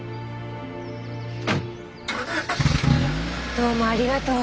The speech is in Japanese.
どうもありがとう。